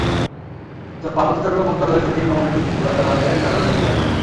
পার্বত্য চট্টগ্রাম মন্ত্রণালয়ের সচিব নববিক্রম ত্রিপুরা দালালের দালাল হয়ে পড়ে আছেন।